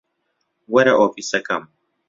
وەرە ئۆفیسەکەم.